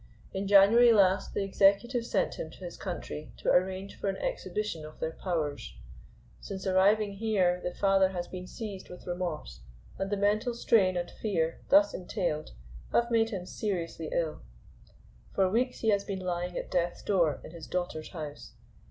In January last the executive sent him to his country to arrange for an exhibition of their powers. "Since arriving here the father has been seized with remorse, and the mental strain and fear thus entailed have made him seriously ill. For weeks he has been lying at death's door in his daughter's house.